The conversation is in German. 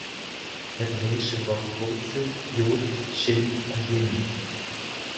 Hebräische Wortwurzel ישע.